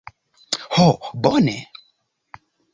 Ho, bone.